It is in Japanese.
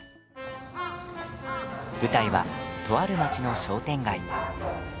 舞台は、とある町の商店街。